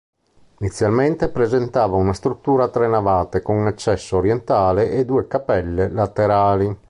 Inizialmente presentava una struttura a tre navate, con accesso orientale e due cappelle laterali.